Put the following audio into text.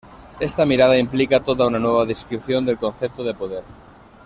Esta mirada implica toda una nueva descripción del concepto de poder.